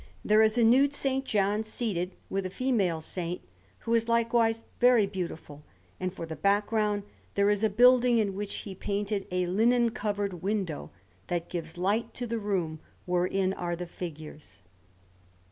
There is a nude S. John, seated, with a female saint, who is likewise very beautiful; and for background there is a building, in which he painted a linen covered window that gives light to the room wherein are the figures.